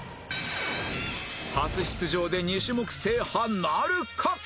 初出場で２種目制覇なるか？